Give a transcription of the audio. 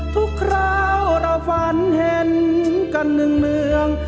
คราวเราฝันเห็นกันเนื่อง